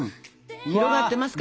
広がってますか？